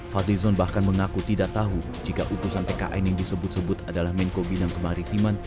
fadli zon bahkan mengaku tidak tahu jika upusan tkn yang disebut sebut adalah menko bina kemaritiman